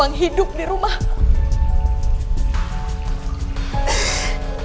tapi musuh aku bobby